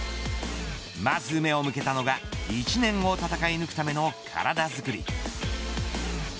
まず目を向けたのが１年を戦い抜くための体づくり。